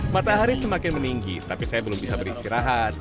matahari semakin meninggi tapi saya belum bisa beristirahat